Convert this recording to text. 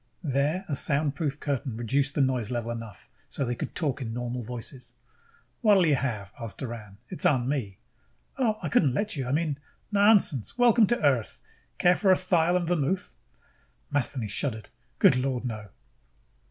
There a soundproof curtain reduced the noise level enough so they could talk in normal voices. "What'll you have?" asked Doran. "It's on me." "Oh, I couldn't let you. I mean " "Nonsense. Welcome to Earth! Care for a thyle and vermouth?" Matheny shuddered. "Good Lord, no!"